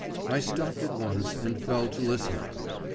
I stopped at once, and fell to listening.